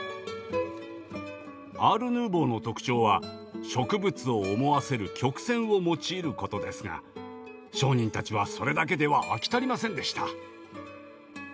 アール・ヌーボーの特徴は植物を思わせる曲線を用いることですが商人たちはそれだけでは飽き足りませんでした。